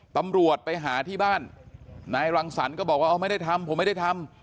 ตำรวจไปหาที่บ้านนายรังสรรค์ก็บอกว่าเอาไม่ได้ทำผมไม่ได้ทำ